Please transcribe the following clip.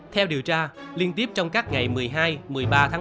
theo điều tra liên tiếp trong các ngày một mươi tháng